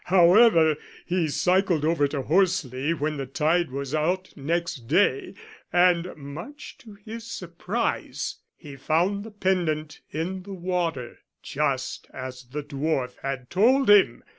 However, he cycled over to Horseley when the tide was out next day, and much to his surprise he found the pendant in the water just as the dwarf had told him.